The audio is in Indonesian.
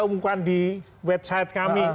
umumkan di website kami